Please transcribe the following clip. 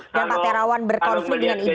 dan pak terawan berkonflik dengan idi